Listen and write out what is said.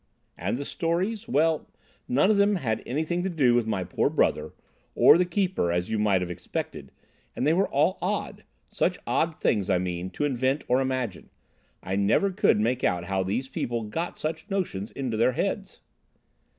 "And the stories? Well, none of them had anything to do with my poor brother, or the keeper, as you might have expected; and they were all odd—such odd things, I mean, to invent or imagine. I never could make out how these people got such notions into their heads."